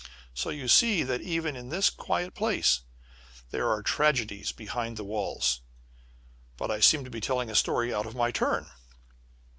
So you see that even in this quiet place there are tragedies behind the walls. But I seem to be telling a story out of my turn!"